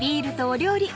お料理